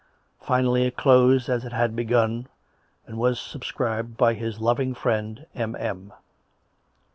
Finally, it closed as it had begun, and was subscribed by his " loving friend, M. M."